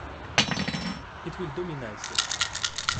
It will do me nicely.